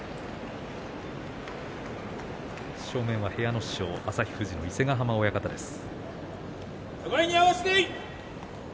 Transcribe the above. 正面は部屋の師匠旭富士の伊勢ヶ濱親方です。